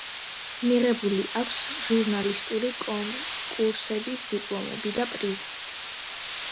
მიღებული აქვს ჟურნალისტური კონკურსების დიპლომები და პრიზები.